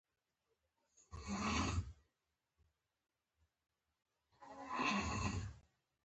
په واسطو يې کار پيدا که.